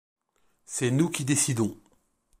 C'est nous qui décidons.